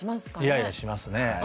イライラしますね。